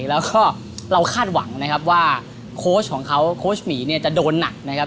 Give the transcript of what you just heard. แล้วก็เราคาดหวังนะครับว่าโค้ชของเขาโค้ชหมีเนี่ยจะโดนหนักนะครับ